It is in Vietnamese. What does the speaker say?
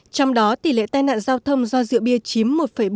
trong đó tỷ lệ tai nạn giao thông do rượu bia chiếm một bốn mươi bảy